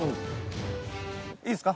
いいっすか？